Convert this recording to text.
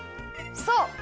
そう。